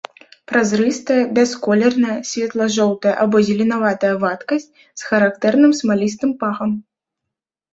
Празрыстая, бясколерная, светла-жоўтая або зеленаватая вадкасць з характэрным смалістым пахам.